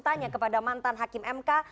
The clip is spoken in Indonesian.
tanya kepada mantan hakim mk